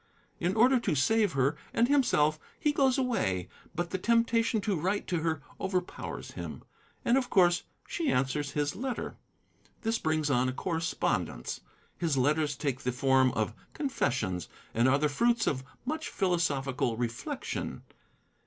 In order to save her and himself he goes away, but the temptation to write to her overpowers him, and of course she answers his letter. This brings on a correspondence. His letters take the form of confessions, and are the fruits of much philosophical reflection.